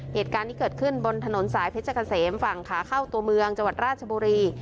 เหตุการณ์ที่เกิดขึ้นบนถนนสายเพชรเกษมฝั่งขาเข้าตัวเมืองจังหวัดราชบุรี